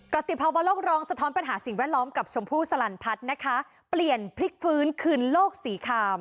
ติภาวะโลกร้องสะท้อนปัญหาสิ่งแวดล้อมกับชมพู่สลันพัฒน์นะคะเปลี่ยนพลิกฟื้นคืนโลกสีคาม